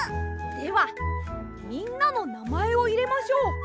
ではみんなのなまえをいれましょう。